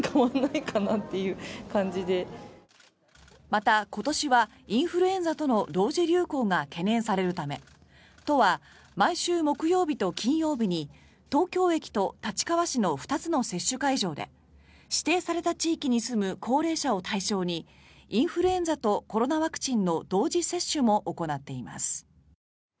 また今年はインフルエンザとの同時流行が懸念されるため都は毎週木曜日と金曜日に東京駅と立川市の２つの接種会場で指定された地域に住む高齢者を対象にインフルエンザとコロナワクチンの同時接種も行っています。